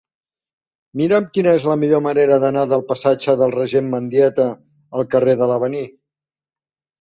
Mira'm quina és la millor manera d'anar del passatge del Regent Mendieta al carrer de l'Avenir.